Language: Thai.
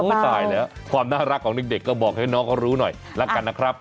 ตายแล้วความน่ารักของเด็กก็บอกให้น้องเขารู้หน่อยแล้วกันนะครับ